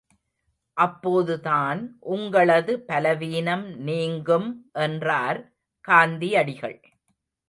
அப்போதுதான் உங்களது பலவீனம் நீங்கும் என்றார் காந்தியடிகள்.